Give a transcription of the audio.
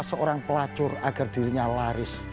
seorang pelacur agar dirinya laris